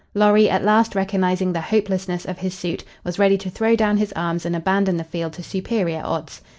Lorry, at last recognizing the hopelessness of his suit, was ready to throw down his arms and abandon the field to superior odds.